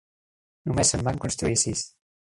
Només se'n van construir sis.